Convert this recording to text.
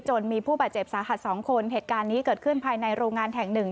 จนมีผู้บาดเจ็บสาหัสสองคนเหตุการณ์นี้เกิดขึ้นภายในโรงงานแห่งหนึ่ง